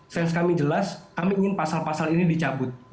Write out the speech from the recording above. sains kami jelas kami ingin pasal pasal ini dicabut